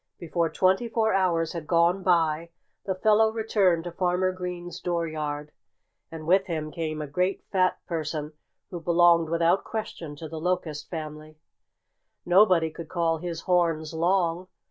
Before twenty four hours had gone by, the fellow returned to Farmer Green's dooryard; and with him came a great, fat person who belonged without question to the Locust family. Nobody could call his horns long.